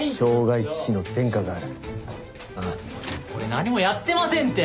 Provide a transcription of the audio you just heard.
俺何もやってませんって！